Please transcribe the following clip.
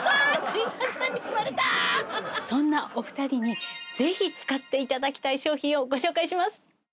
そんなお二人にぜひ使って頂きたい商品をご紹介します。